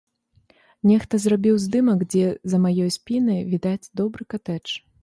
Нехта зрабіў здымак, дзе за маёй спінай відаць добры катэдж.